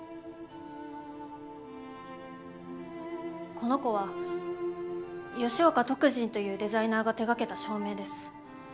この子は吉岡徳仁というデザイナーが手がけた照明です。